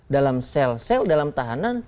dalam sel sel dalam tahanan